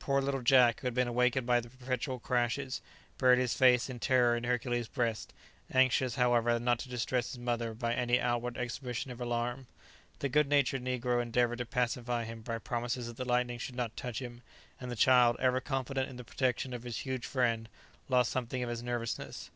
Poor little Jack, who had been awakened by the perpetual crashes, buried his face in terror in Hercules' breast, anxious, however, not to distress his mother by any outward exhibition of alarm. The good natured negro endeavoured to pacify him by promises that the lightning should not touch him, and the child, ever confident in the protection of his huge friend, lost something of his nervousness.